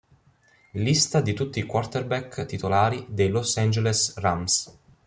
Lista di tutti i quarterback titolari dei Los Angeles Rams.